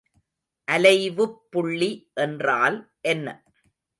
அலைவுப்புள்ளி என்றால் என்ன?